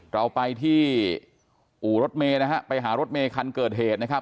เราไปที่อู่รถเมย์นะฮะไปหารถเมคันเกิดเหตุนะครับ